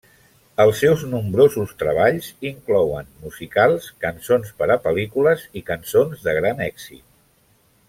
Els seus nombrosos treballs inclouen musicals, cançons per a pel·lícules i cançons de gran èxit.